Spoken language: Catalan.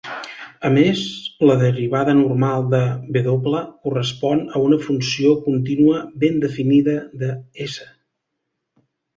A més, la derivada normal de "w" correspon a una funció contínua ben definida de "S".